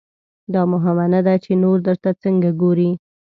دا مهمه نه ده چې نور درته څنګه ګوري.